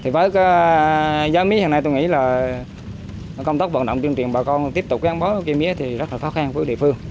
với giá mía hiện nay tôi nghĩ là công tốc vận động tuyên truyền bà con tiếp tục gắn bó mía thì rất là khó khăn với địa phương